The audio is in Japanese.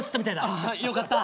あよかった。